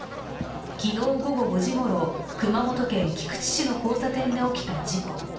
昨日午後５時ごろ、熊本県菊池市の交差点で起きた事故。